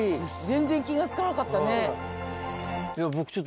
全然気が付かなかったね。